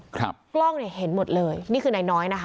กล้องเนี่ยเห็นหมดเลยนี่คือนายน้อยนะคะ